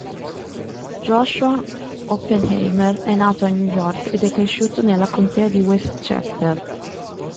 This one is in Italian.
Joshua Oppenheimer è nato a New York ed è cresciuto nella Contea di Westchester.